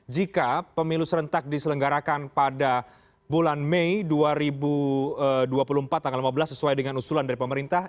jika pemilu serentak diselenggarakan pada bulan mei dua ribu dua puluh empat tanggal lima belas sesuai dengan usulan dari pemerintah